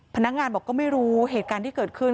พนักงานบอกก็ไม่รู้เหตุการณ์ที่เกิดขึ้น